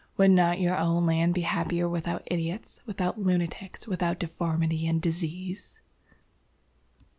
Would not your own land be happier without idiots, without lunatics, without deformity and disease?"